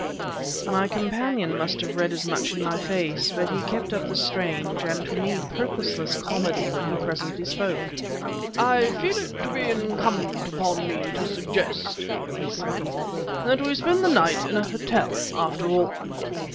My companion must have read as much in my face. But he kept up the strange, and to me, purposeless comedy, when presently he spoke. "I feel it to be incumbent upon me to suggest," he said, "that we spend the night at a hotel after all."